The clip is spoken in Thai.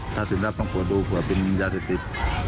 ถ้าสินทรัพย์ต้องปวดดูเผื่อเป็นยาเทศิษฐ์